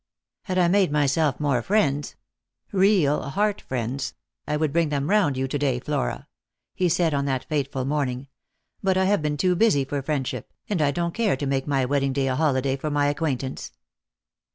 " Had I made myself more friends — real heart friends — I would bring them round you to day, Flora," he said on that fateful morning; "but I have been too busy for friendship, and I don't care to make my wedding day a holiday for my acquaintance."